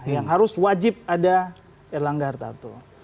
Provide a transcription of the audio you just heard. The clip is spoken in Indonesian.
yang harus wajib ada erlangga hartarto